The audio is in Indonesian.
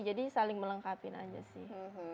jadi saling melengkapi aja sih